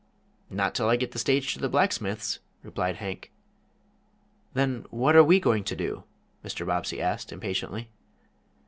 "Not till I get the stage to the blacksmith's," replied Hank. "Then, what are we going to do?" Mr. Bobbsey asked, impatiently.